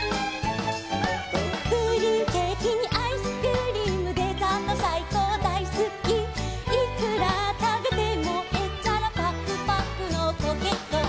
「プリンケーキにアイスクリーム」「デザートさいこうだいすき」「いくらたべてもへっちゃらぱくぱくのコケッコー」